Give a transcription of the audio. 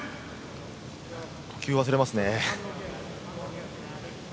呼吸忘れますね。